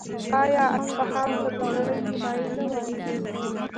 آیا اصفهان ته د نړۍ نیمایي نه وايي؟